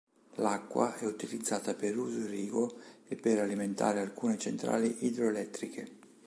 L'acqua è utilizzata per uso irriguo e per alimentare alcune centrali idroelettriche.